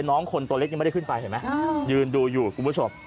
น้องคนตัวเล็กยังไม่ได้ขึ้นไปเห็นไหมยืนดูอยู่คุณผู้ชม